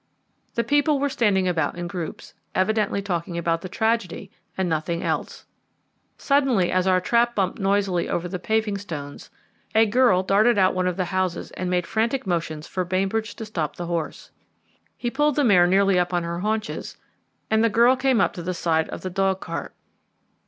The people were standing about in groups, evidently talking about the tragedy and nothing else. Suddenly, as our trap bumped noisily over the paving stones, a girl darted out of one of the houses and made frantic motions to Bainbridge to stop the horse. He pulled the mare nearly up on her haunches, and the girl came up to the side of the dog cart.